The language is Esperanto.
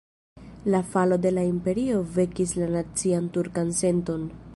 La falo de la imperio vekis la nacian turkan senton.